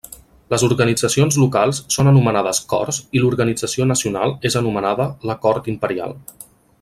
Les organitzacions locals són anomenades Corts i l'organització nacional és anomenada la Cort Imperial.